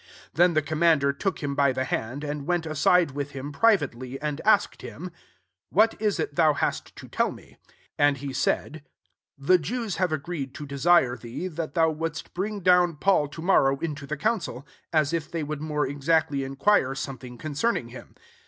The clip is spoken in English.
19 Then the commander took him by the hand, and went aside with him, privately, and asked A^m, « What is it, thou hast to tell me ?" 20 And he said, The Jews have agreed to desire thee, that thou wouldst' bring down Paul to morrow into thecouncily as if they would more exactly in* quire something concerning him.